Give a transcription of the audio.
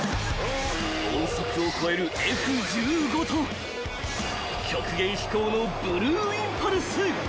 ［音速を超えるＦ−１５と極限飛行のブルーインパルス］